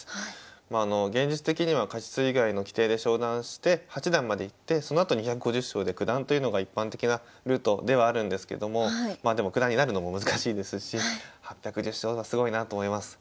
現実的には勝ち数以外の規定で昇段して八段までいってそのあと２５０勝で九段というのが一般的なルートではあるんですけどもまあでも九段になるのも難しいですし８１０勝はすごいなと思います。